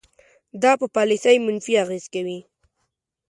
دا په پالیسۍ منفي اغیز کوي.